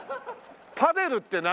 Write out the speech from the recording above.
パデルって何？